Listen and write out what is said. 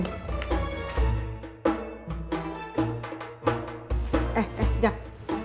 eh eh sekejap